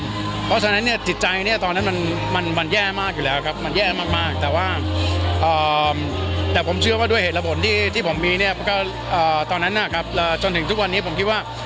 เพราะฉะนั้นเนี่ยจิตใจเนี่ยตอนนั้นมันแย่มากอยู่แล้วครับมันแย่มากแต่ว่าแต่ผมเชื่อว่าด้วยเหตุระบลที่ผมมีเนี่ยก็ตอนนั้นนะครับจนถึงทุกวันนี้ผมคิดว่า